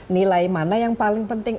nilai mana yang paling penting